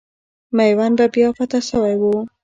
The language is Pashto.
میوند به بیا فتح سوی وو.